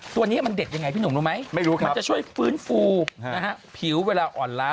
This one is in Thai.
ตัวนี้มันเด็ดยังไงพี่หนุ่มรู้ไหมไม่รู้ครับมันจะช่วยฟื้นฟูผิวเวลาอ่อนล้า